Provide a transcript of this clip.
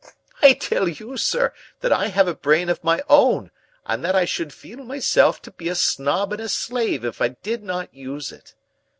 I tell you, sir, that I have a brain of my own and that I should feel myself to be a snob and a slave if I did not use it.